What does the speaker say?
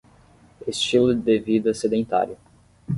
Estilo de vida sedentário